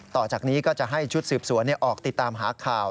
ต่อจากนี้ก็จะให้ชุดสืบสวนออกติดตามหาข่าว